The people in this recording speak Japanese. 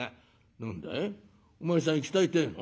「何だいお前さん行きたいってえの？